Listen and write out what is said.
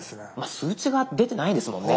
数値が出てないですもんね。